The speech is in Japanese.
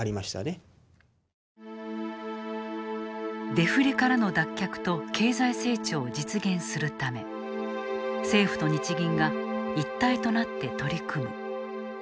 デフレからの脱却と経済成長を実現するため政府と日銀が一体となって取り組む。